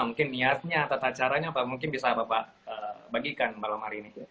mungkin niatnya tata caranya apa mungkin bisa bapak bagikan malam hari ini